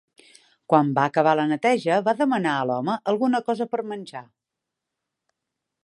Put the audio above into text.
Quan va acabar la neteja va demanar a l'home alguna cosa per menjar.